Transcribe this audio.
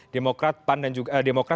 demokrat pan dan juga